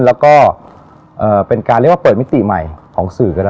แล้วก็เป็นการเรียกว่าเปิดมิติใหม่ของสื่อก็ได้